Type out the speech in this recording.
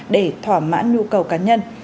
để thỏa mãn nhu cầu cá nhân